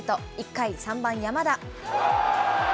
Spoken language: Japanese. １回、３番山田。